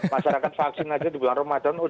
masyarakat vaksin aja di bulan ramadan